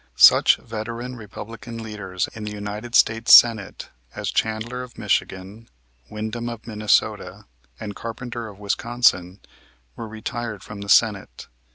Such veteran Republican leaders in the United States Senate as Chandler, of Michigan, Windom, of Minnesota, and Carpenter, of Wisconsin, were retired from the Senate.